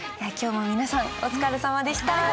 今日も皆さんお疲れさまでした。